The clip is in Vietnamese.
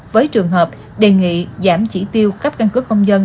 với trường hợp đề nghị giảm chỉ tiêu cấp căn cứ công dân